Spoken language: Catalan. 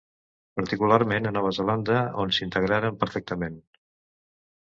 Particularment a Nova Zelanda, on s'integraren perfectament.